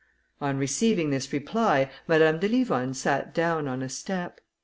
On receiving this reply, Madame de Livonne sat down on a step.